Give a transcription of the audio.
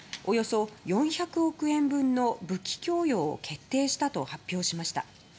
およそ４００億円分の武器供与を決定したと発表しました。